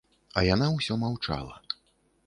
А яна ўсё маўчала.